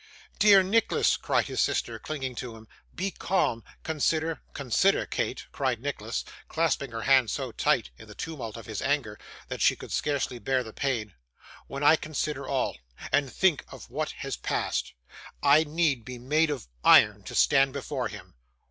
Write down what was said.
'Dear Nicholas,' cried his sister, clinging to him. 'Be calm, consider ' 'Consider, Kate!' cried Nicholas, clasping her hand so tight in the tumult of his anger, that she could scarcely bear the pain. 'When I consider all, and think of what has passed, I need be made of iron to stand before him.